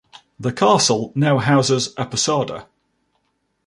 The castle now houses a pousada.